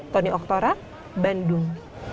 tony oktora bandung